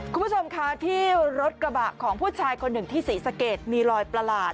คุณผู้ชมคะที่รถกระบะของผู้ชายคนหนึ่งที่ศรีสะเกดมีรอยประหลาด